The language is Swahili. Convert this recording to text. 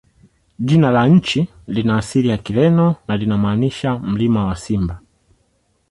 Jina la nchi lina asili ya Kireno na linamaanisha "Mlima wa Simba".